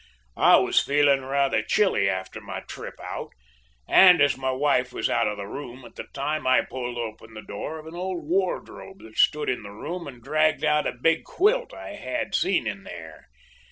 I was feeling rather chilly after my trip out, and, as my wife was out of the room at the time, I pulled open the door of an old wardrobe that stood in the room and dragged out a big quilt I had seen in there.